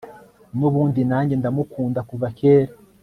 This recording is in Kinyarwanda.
nubundi nanjye ndamukunda kuva kera